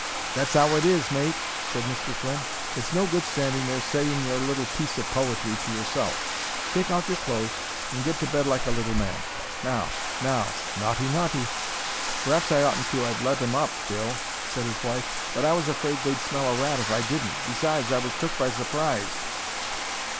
"That's 'ow it is, mate," said Mr. Flynn. "It's no good standing there saying your little piece of poetry to yourself. Take off your clo'es and get to bed like a little man. Now! now! Naughty! Naughty!" "P'r'aps I oughtn't to 'ave let 'em up, Bill," said his wife; "but I was afraid they'd smell a rat if I didn't. Besides, I was took by surprise."